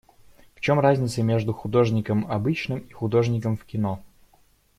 В чем разница между художником обычным и художником в кино?